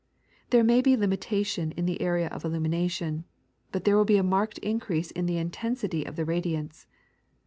There may be limitation on the area of illumination, but there will be marked increase in the intensity of the radiance.